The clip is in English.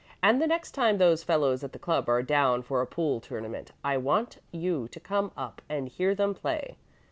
"And the next time those fellows at the club are down for a pool tournament I want you to come up and hear them play.